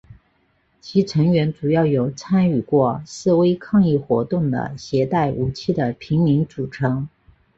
其成员主要由曾参与过示威抗议活动的携带武器的平民组成。